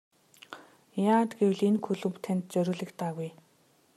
Яагаад гэвэл энэ клуб танд зориулагдаагүй.